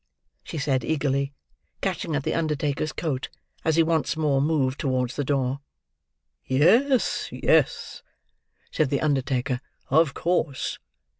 she said eagerly: catching at the undertaker's coat, as he once more moved towards the door. "Yes, yes," said the undertaker, "of course.